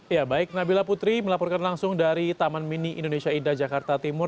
ya baik nabila putri melaporkan langsung dari taman mini indonesia indah jakarta timur